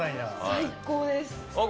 最高です。